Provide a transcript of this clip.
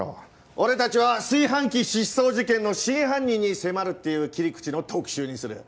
俺たちは「炊飯器失踪事件」の真犯人に迫るっていう切り口の特集にする。